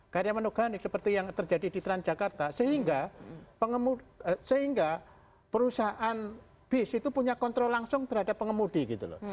karyawan organik seperti yang terjadi di transjakarta sehingga perusahaan bis itu punya kontrol langsung terhadap pengemudi gitu loh